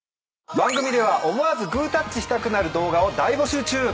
番組では思わずグータッチしたくなる動画を大募集中。